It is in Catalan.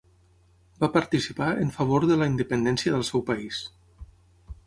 Va participar en favor de la independència del seu país.